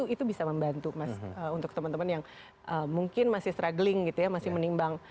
itu bisa membantu mas untuk teman teman yang mungkin masih struggling gitu ya masih menimbang